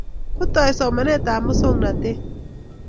kotoi somanet tab musongnotet